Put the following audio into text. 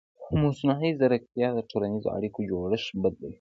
مصنوعي ځیرکتیا د ټولنیزو اړیکو جوړښت بدلوي.